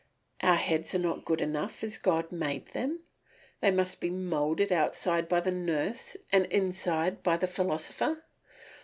Our heads are not good enough as God made them, they must be moulded outside by the nurse and inside by the philosopher.